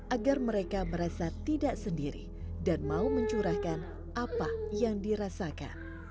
agar mereka merasa tidak sendiri dan mau mencurahkan apa yang dirasakan